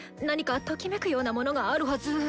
何かときめくようなものがあるはず。